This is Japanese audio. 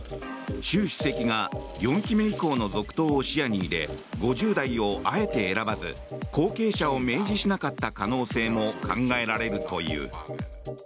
習主席が４期目以降の続投を視野に入れ５０代をあえて選ばず後継者を明示しなかった可能性も考えられるという。